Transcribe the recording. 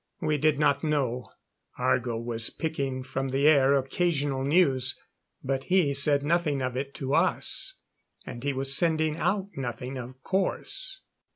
We did not know. Argo was picking from the air occasional news, but he said nothing of it to us; and he was sending out nothing, of course.